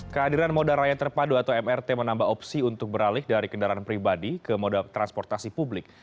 kehadiran moda raya terpadu atau mrt menambah opsi untuk beralih dari kendaraan pribadi ke moda transportasi publik